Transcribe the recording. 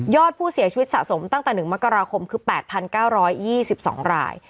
อดผู้เสียชีวิตสะสมตั้งแต่๑มกราคมคือ๘๙๒๒ราย